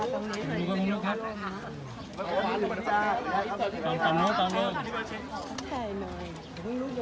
เดี๋ยวเรารอดีแล้วนะครับเมื่อพริกพีเซ็นท์ได้